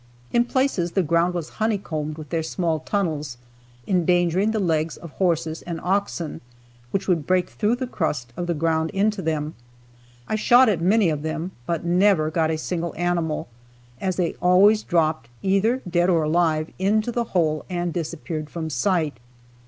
In places the ground was honeycombed with their small tunnels, endangering the legs of horses and oxen, which would break through the crust of ground into them. I shot at many of them, but never got a single animal, as they always dropped, either dead or alive, into the hole and disappeared from sight.